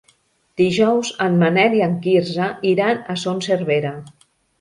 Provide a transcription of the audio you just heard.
Dijous en Manel i en Quirze iran a Son Servera.